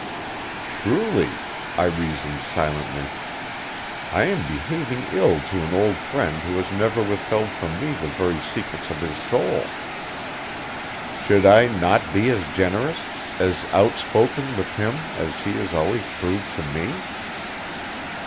"Truly," I reasoned silently, "I am behaving ill to an old friend who has never withheld from me the very secrets of his soul. Should I not be as generous, as outspoken, with him as he has always proved to me?